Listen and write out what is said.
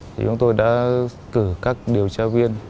chúng tôi đã cử các điều tra viên